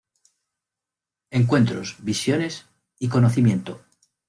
Encuentros, visiones, y conocimiento.